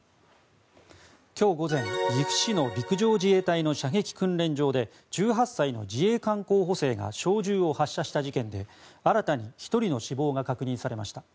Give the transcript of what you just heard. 今日午前岐阜市の陸上自衛隊の射撃訓練場で１８歳の自衛官候補生が小銃を発射した事件で新たに１人の死亡が確認されました。